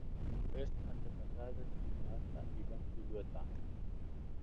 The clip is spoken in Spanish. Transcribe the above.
Es antepasado del cineasta Iván Zulueta.